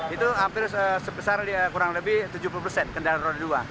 itu hampir sebesar kurang lebih tujuh puluh persen kendaraan roda dua